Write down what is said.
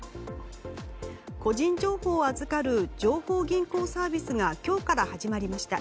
個人情報を預かる情報銀行サービスが今日から始まりました。